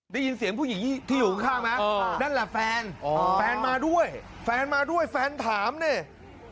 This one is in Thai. ได้ยินเสียงผู้หญิงที่อยู่ข้างไหมนั่นแหละแฟนแฟนมาด้วยแฟนมาด้วยแฟนถามเนี่ย